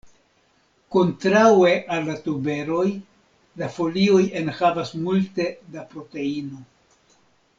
Kontraŭe al la tuberoj, la folioj enhavas multe da proteino.